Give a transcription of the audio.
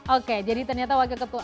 oke jadi ternyata wakil ketua